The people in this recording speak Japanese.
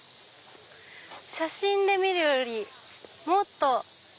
写真で見るよりもっと。